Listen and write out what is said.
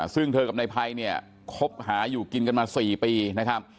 ซึ่งเธอกับนายภัยเนี่ยคบหาอยู่กินกันมา๔ปีนะครับ